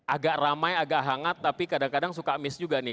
agak ramai agak hangat tapi kadang kadang suka miss juga nih